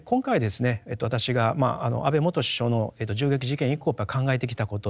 私が安倍元首相の銃撃事件以降考えてきたこと